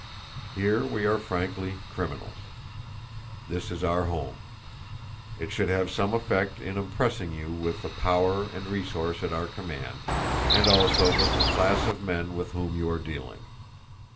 Here we are frankly criminals. This is our home. It should have some effect in impressing you with the power and resource at our command, and also with the class of men with whom you are dealing.